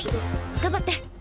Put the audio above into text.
頑張って！